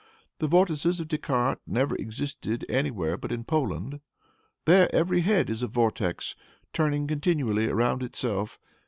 The vortices of Descartes never existed anywhere but in Poland. There every head is a vortex turning continually around itself.